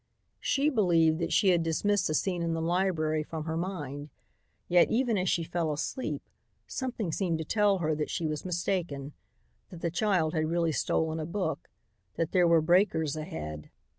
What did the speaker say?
She believed that she had dismissed the scene in the library from her mind, yet even as she fell asleep something seemed to tell her that she was mistaken, that the child had really stolen a book, that there were breakers ahead.